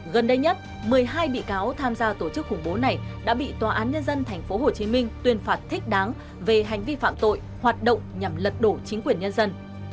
gần đây nhất một mươi hai bị cáo tham gia tổ chức khủng bố này đã bị tòa án nhân dân tp hcm tuyên phạt thích đáng về hành vi phạm tội hoạt động nhằm lật đổ chính quyền nhân dân